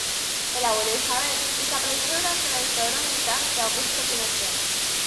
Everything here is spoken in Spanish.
El abuelo de Isabel desapareció durante la dictadura militar de Augusto Pinochet.